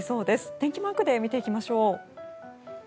天気マークで見ていきましょう。